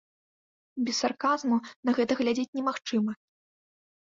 Без сарказму на гэта глядзець немагчыма.